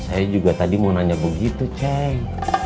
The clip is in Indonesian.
saya juga tadi mau nanya begitu cek